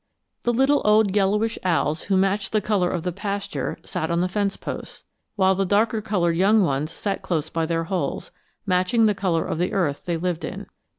The little old yellowish owls who matched the color of the pasture sat on the fence posts, while the darker colored young ones sat close by their holes, matching the color of the earth they lived in.